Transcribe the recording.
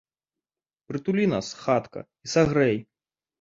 Прытулі нас, хатка, і сагрэй!